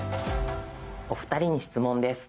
お二人に質問です。